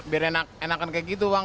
biar enakan kayak gitu bang